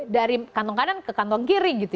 dari kantong kanan ke kantong kiri gitu